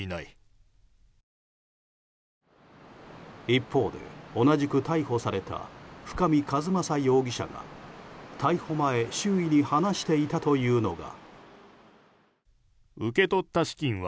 一方で、同じく逮捕された深見和政容疑者が逮捕前、周囲に話していたというのが。